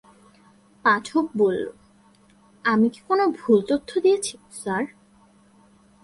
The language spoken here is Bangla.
পাঠক বলল, আমি কি কোনো ভুল তথ্য দিয়েছি স্যার?